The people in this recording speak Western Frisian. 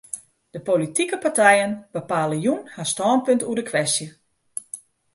De politike partijen bepale jûn har stânpunt oer de kwestje.